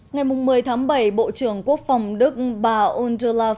ngày một mươi tháng bảy bộ trưởng quốc phòng đức bà ôn trơ la pho nh a